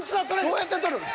どうやって取るん？